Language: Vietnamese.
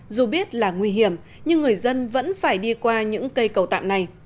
dù biết là nguy hiểm nhưng người dân vẫn phải đi qua những cây cầu tạm này